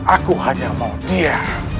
aku hanya mau dia